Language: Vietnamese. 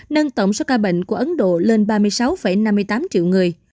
nâng tổng số ca bệnh của ấn độ lên ba mươi sáu năm mươi tám triệu người